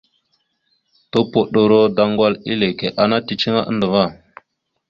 Tupoɗoro daŋgwal eleke ana ticiŋa andəva.